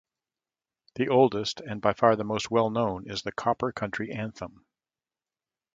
The oldest and by far the most well known is the Copper Country Anthem.